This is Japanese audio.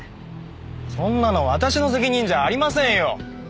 そんなの私の責任じゃありませんよ！